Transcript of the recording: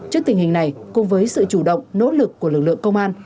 trước tình hình này cùng với sự chủ động nỗ lực của lực lượng công an